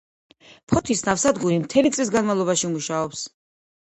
ფოთის ნავსადგური მთელი წლის განმავლობაში მუშაობს.